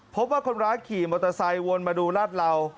พบว่าคนร้ายขี่มอเตอร์ไซค์วนมาดูลาดเหลา